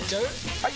・はい！